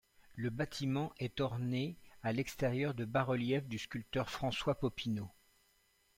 Le bâtiment est orné à l'extérieur de bas-reliefs du sculpteur François Popineau.